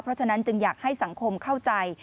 เพราะฉะนั้นจึงอยากให้สังคมเข้าใจ